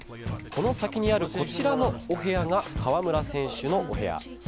この先にあるこちらのお部屋が川村選手のお部屋。